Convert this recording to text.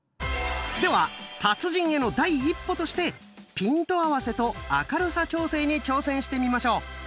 では達人への第一歩としてピント合わせと明るさ調整に挑戦してみましょう。